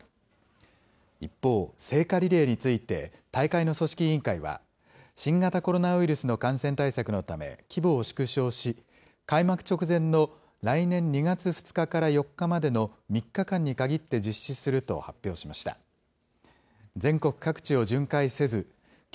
一方、聖火リレーについて大会の組織委員会は、新型コロナウイルスの感染対策のため規模を縮小し、開幕直前の来年２月２日から４日までの３日間にかぎって実施すると発表しました。